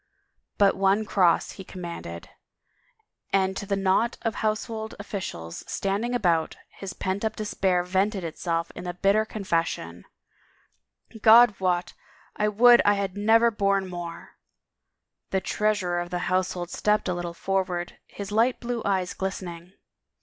" But one cross," he commanded, and to the knot of household officials standing about, his pent up despair vented itself in the bitter confession, " God wot, I would I had never borne more I " The treasurer of the household stepped a little for ward, his light blue eyes glistening.